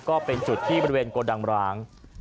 ก็เป็นจุดที่บริเวณโกดังร้าง